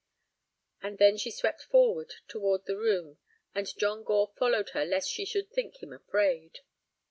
And then she swept forward toward the room, and John Gore followed her lest she should think him afraid.